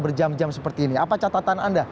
berjam jam seperti ini apa catatan anda